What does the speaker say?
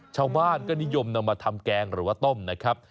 ชาวบ้านก็นิยมนำมาทำแกงหรือว่าต้มนะครับ